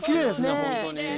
本当に。